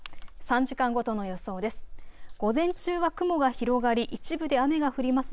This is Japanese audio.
３時間ごとの予想です。